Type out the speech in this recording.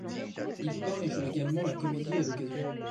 Il peint et joue également la comédie à l'occasion.